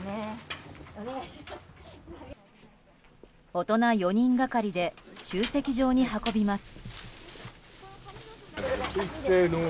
大人４人がかりで集積場に運びます。